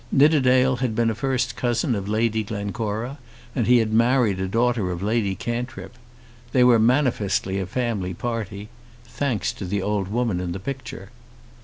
Nidderdale had been a first cousin of Lady Glencora, and he had married a daughter of Lady Cantrip. They were manifestly a family party, thanks to the old woman in the picture.